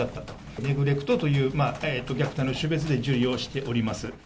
ネグレクトという虐待の種別で受理をしております。